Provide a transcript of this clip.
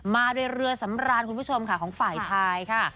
มาโดยเรือสำราญคุณผู้ชมค่ะของฝ่ายชายค่ะ